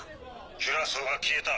キュラソーが消えた。